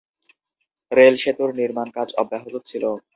Rail সেতুর নির্মাণ কাজ অব্যাহত ছিল।